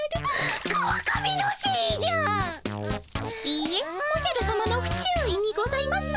いいえおじゃるさまのふ注意にございます。